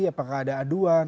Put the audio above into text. apakah ada aduan